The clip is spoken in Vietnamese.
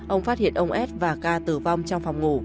ông phát hiện ông s và ca tử vong trong phòng ngủ